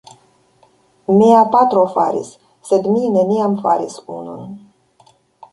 Mia patro faris, sed mi neniam faris unun.